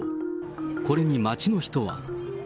これに街の人は。